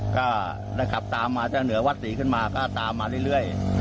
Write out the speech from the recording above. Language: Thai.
ก็ได้ขับตามมาจากเหนือวัดศรีขึ้นมาก็ตามมาเรื่อย